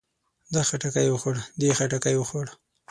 ده خټکی وخوړ. دې خټکی وخوړ.